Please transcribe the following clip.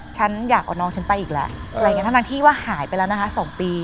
ฉันอยากเอาน้องฉันไปอีกแล้วอะไรอย่างนี้ทั้งที่ว่าหายไปแล้วนะคะ๒ปี